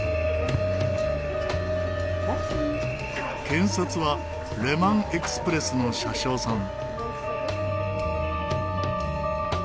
検札はレマンエクスプレスの車掌さん。